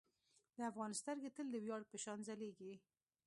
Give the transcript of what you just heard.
د افغان سترګې تل د ویاړ په شان ځلیږي.